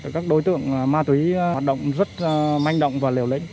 các đối tượng ma túy hoạt động rất manh động và liều lĩnh